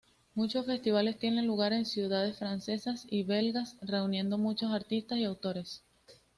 Muchos festivales tienen lugar en ciudades francesas y belgas, reuniendo muchos artistas y autores.